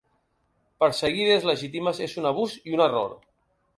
Perseguir idees legítimes és un abús i un error.